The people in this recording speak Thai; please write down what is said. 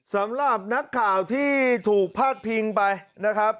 สำหรับนักข่าวที่ถูกพาดพิงไปนะครับ